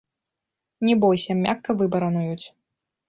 Не бойся, мякка выбарануюць.